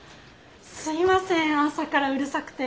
すいません朝からうるさくて。